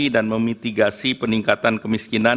dan memitigasi peningkatan kemiskinan